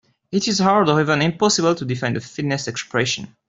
It is hard or even impossible to define the fitness expression.